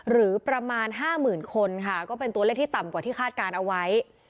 หรือประมาณ๕๐๐๐คนค่ะก็เป็นตัวเลขที่ต่ำกว่าที่คาดการณ์เอาไว้